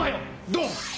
ドン。